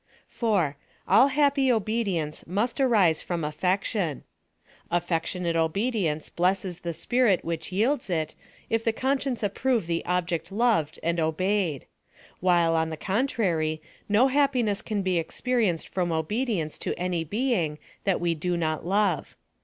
4. All happy obedience must arise from affeciion. Affectionate obedience blesses the spirit which yields it, if the conscience approve the object loved and obeyed : while, on the contrary, no happiness can be experienced from obedience to any being that we do not love.